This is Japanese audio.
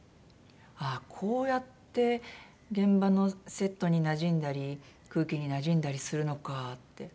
あっこうやって現場のセットになじんだり空気になじんだりするのかって。